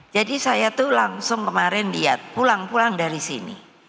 jadi saya tuh langsung kemarin lihat pulang pulang dari sini